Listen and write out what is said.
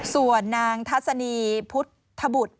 ส่วนนางทัศนีพุทธบุตร